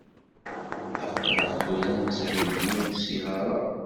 Aql-aɣ tura nettheyyi i usihar-a.